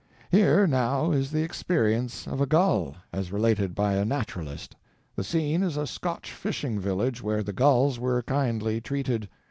Here, now, is the experience of a gull, as related by a naturalist. The scene is a Scotch fishing village where the gulls were kindly treated.